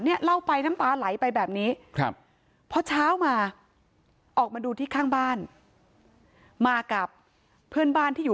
เนี่ยเล่าไปน้ำตาไหลไปแบบนี้